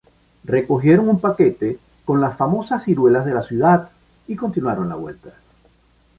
Recogieron un paquete con las famosas ciruelas de la ciudad y continuaron la vuelta.